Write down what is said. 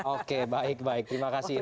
oke baik baik terima kasih